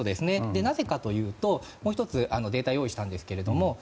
なぜかというともう１つデータ用意しました。